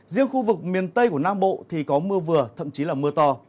riêng khu vực miền tây của nam bộ thì có mưa vừa thậm chí là mưa to